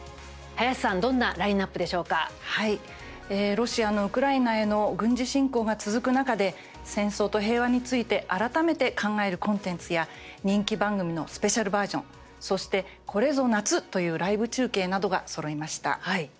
林さんはい、ロシアのウクライナへの軍事侵攻が続く中で戦争と平和について改めて考えるコンテンツや人気番組のスペシャルバージョンそして「これぞ夏！」というライブ中継などがそろいました。